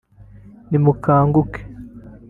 nimukanguke